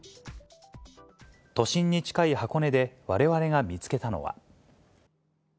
都心に近い箱根で、われわれが見つけたのは。